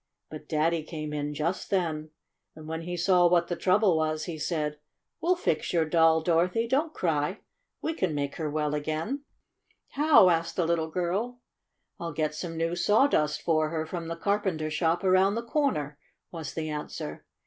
But Daddy came in just then, and when he saw what the trouble was he said : "We'll fix your doll, Dorothy. Don't cry. We can make her well again." 118 STORY OF A SAWDUST DOLL "How?" asked the little girl. "Ill get some new sawdust for her from the carpenter shop around the corner," was the answer.